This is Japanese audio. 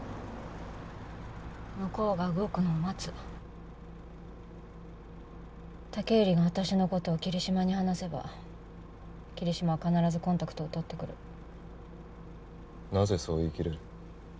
向こうが動くのを待つ武入が私のことを桐島に話せば桐島は必ずコンタクトを取ってくるなぜそう言い切れる？